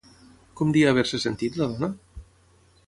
Com deia haver-se sentit, la dona?